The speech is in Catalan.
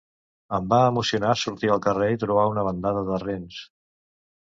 Em va emocionar sortir al carrer i trobar una bandada de rens.